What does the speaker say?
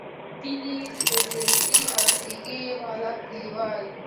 سپینې، برګې او سرې ږیرې والا کلیوال.